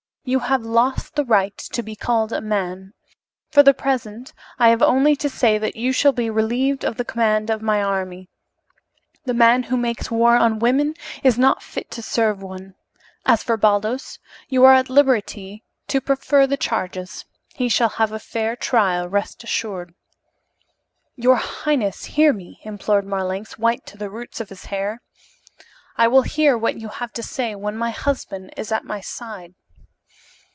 You have lost the right to be called a man. For the present I have only to say that you shall be relieved of the command of my army. The man who makes war on women is not fit to serve one. As for Baldos, you are at liberty to prefer the charges. He shall have a fair trial, rest assured." "Your highness, hear me," implored Marlanx, white to the roots of his hair. "I will hear what you have to say when my husband is at my side."